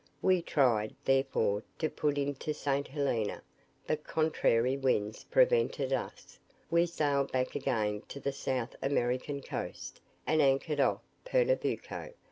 We tried, therefore, to put into St. Helena, but contrary winds preventing us, we sailed back again to the South American coast, and anchored off Pernambuco.